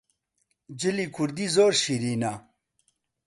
جلی کوردی زۆر شیرینە